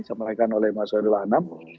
sama mereka oleh mas waerul hanam